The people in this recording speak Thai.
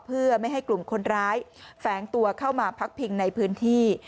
เพื่อไม่ให้กลุ่มคนร้ายแฝงตัวเข้ามาพักพิงในพื้นที่